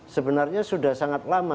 sebenarnya sudah sangat lama